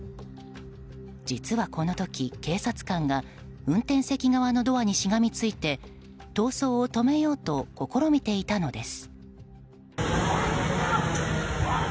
実はこの時、警察官が運転席側のドアにしがみついて逃走を止めようと試みていたのです。